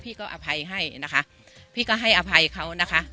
พี่ก็อภัยให้นะคะพี่ก็ให้อภัยเขานะคะ